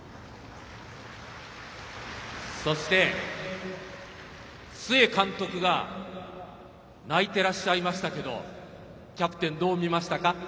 そして須江監督が泣いてらっしゃいましたけどキャプテンどう見ましたか？